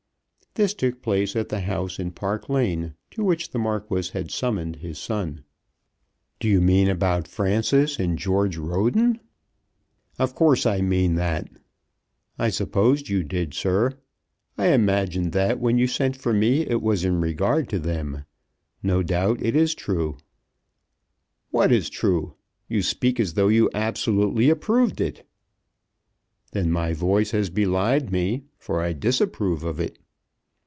This took place at the house in Park Lane, to which the Marquis had summoned his son. "Do you mean about Frances and George Roden?" "Of course I mean that." "I supposed you did, sir. I imagined that when you sent for me it was in regard to them. No doubt it is true." "What is true? You speak as though you absolutely approved it." "Then my voice has belied me, for I disapprove of it."